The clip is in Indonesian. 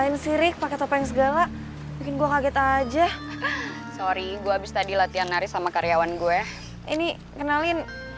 ini mau ketemu siapa sih disini